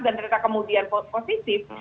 dan ternyata kemudian positif